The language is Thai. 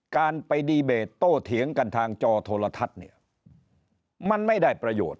การไปดีเบตโต้เถียงกันทางจอโทรทัศน์เนี่ยมันไม่ได้ประโยชน์